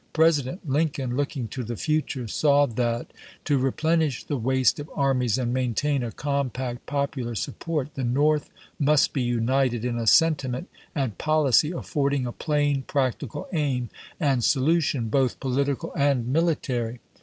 President Lincoln, looking to the future, saw that, to replenish the waste of armies and maintain a compact popular support, the North must be united in a sentiment and policy affording a plain, practical aim and solu tion, both political and military.